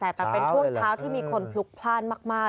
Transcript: แต่เป็นช่วงเช้าที่มีคนพลุกพลาดมาก